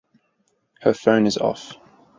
Her phone is off.